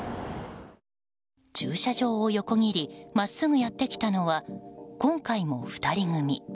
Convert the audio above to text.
駐車場を横切り真っすぐやってきたのは今回も２人組。